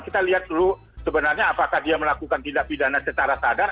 kita lihat dulu sebenarnya apakah dia melakukan tindak pidana secara sadar